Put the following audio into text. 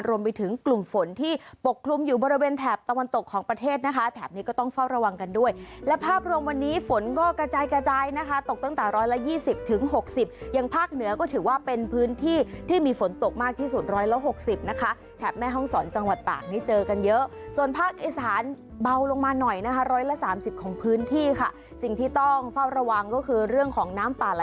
รวมไปถึงกลุ่มฝนที่ปกคลุมอยู่บริเวณแถบตะวันตกของประเทศนะคะแถบนี้ก็ต้องเฝ้าระวังกันด้วยและภาพรวมวันนี้ฝนก็กระจายกระจายนะคะตกตั้งแต่๑๒๐ถึง๖๐ยังภาคเหนือก็ถือว่าเป็นพื้นที่ที่มีฝนตกมากที่สุด๑๖๐นะคะแถบแม่ห้องสอนจังหวัดต่างที่เจอกันเยอะส่วนภาคอิสานเบาลงมาหน่อยนะคะ๑๓๐ของพื้น